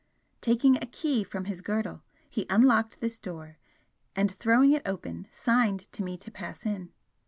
Taking a key from his girdle, he unlocked this door, and throwing it open, signed to me to pass in.